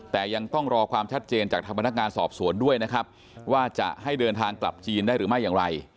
แต่ยังต้องรอความชัดเจนจากทางพนักงานสอบสวนด้วยนะครับว่าจะให้เดินทางกลับจีนได้หรือไม่อย่างไร